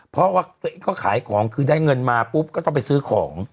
เพราะว่าตัวเองก็ขายของคือได้เงินมาปุ๊บก็ต้องไปซื้อของ